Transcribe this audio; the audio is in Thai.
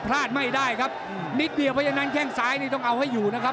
พลาดไม่ได้ครับนิดเดียวเพราะฉะนั้นแข้งซ้ายนี่ต้องเอาให้อยู่นะครับ